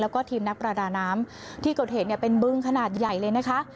แล้วก็ทีมนักประดาน้ำที่เกิดเหตุเนี่ยเป็นบึงขนาดใหญ่เลยนะคะ